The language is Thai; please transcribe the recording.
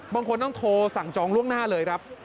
บางคนต้องโทรสั่งจองล่วงหน้าเลยครับ